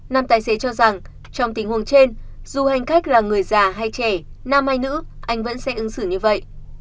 nam tài xế cho rằng trong tình huống trên dù hành khách là người già hay trẻ nam hay nữ anh vẫn sẽ ứng xử như vậy